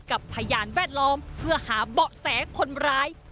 พยานแวดล้อมเพื่อหาเบาะแสคนร้าย